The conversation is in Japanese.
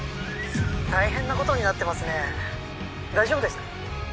☎大変なことになってますね大丈夫ですか？